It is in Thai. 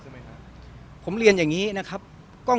มีใครไปดึงปั๊กหรือว่า